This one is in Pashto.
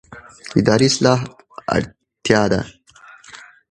اداري اصلاح اړتیا ده